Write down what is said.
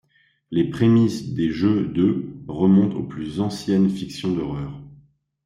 Les prémices des jeux de ' remontent aux plus anciennes fictions d'horreur.